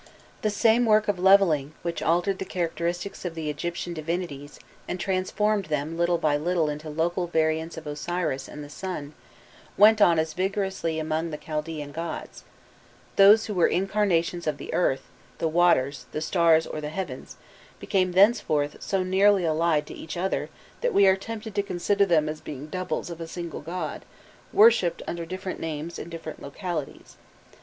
The same work of levelling which altered the characteristics of the Egyptian divinities, and transformed them little by little into local variants of Osiris and the Sun, went on as vigorously among the Chaldaean gods: those who were incarnations of the earth, the waters, the stars, or the heavens, became thenceforth so nearly allied to each other that we are tempted to consider them as being doubles of a single god, worshipped under different names in different localities.